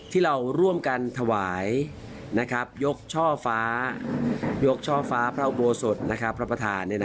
ที่เราร่วมกันถวายยกช่อฟ้าพระอุโปรสดิ์พระประธาน